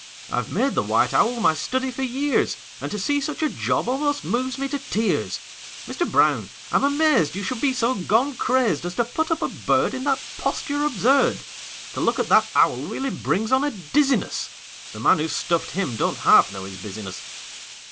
I've made the white owl my study for years, And to see such a job almost moves me to tears! Mister Brown, I'm amazed You should be so gone crazed As to put up a bird In that posture absurd! To look at that owl really brings on a dizziness; The man who stuffed him don't half know his business!"